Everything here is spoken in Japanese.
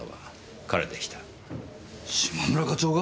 嶋村課長が！？